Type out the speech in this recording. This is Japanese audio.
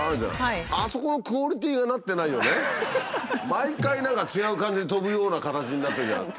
毎回何か違う感じで飛ぶような形になってるじゃん。